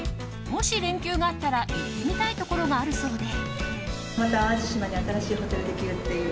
もし連休があったら行ってみたいところがあるそうで。